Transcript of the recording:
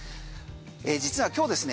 実は今日ですね